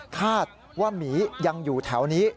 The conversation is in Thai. คาดว่าหมียังอยู่แถวนี้